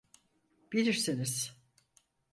Bilirsiniz…